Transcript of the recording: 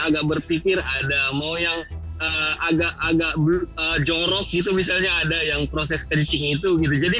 agak berpikir ada mau yang agak agak jorok gitu misalnya ada yang proses kencing itu gitu jadi